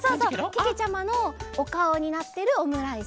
けけちゃまのおかおになってるオムライス。